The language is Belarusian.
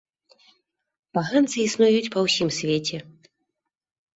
Паганцы існуюць па ўсім свеце.